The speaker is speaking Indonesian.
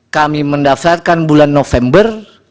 kami mendaftarkan bulan november